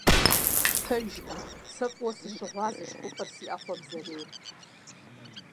Пэжкъым, сэ фӀыуэ сыщыгъуазэщ хъупӀэр си Ӏэхъуэм зэрейм.